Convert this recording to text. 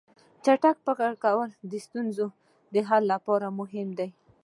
چټک فکر کول د ستونزو د حل لپاره مهم دي.